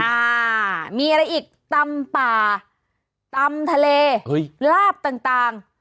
อ่ามีอะไรอีกตำป่าตำทะเลลาบต่างต่าง